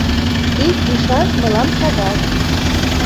Ик ӱшан мылам шагал.